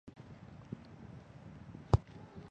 黄家店东遗址现被公布为左云县文物保护单位。